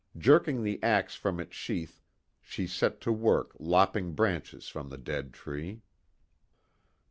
Jerking the ax from its sheath she set to work lopping branches from the dead tree.